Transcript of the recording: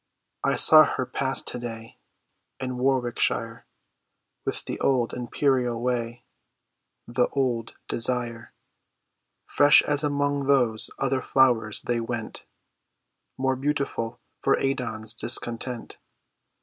I saw her pass to day In Warwickshire, With the old imperial way, The old desire, Fresh as among those other flowers they went, More beautiful for Adon's discontent.